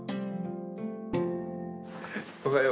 おはよう。